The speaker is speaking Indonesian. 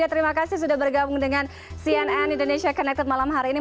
terima kasih sudah bergabung dengan cnn indonesia connected malam hari ini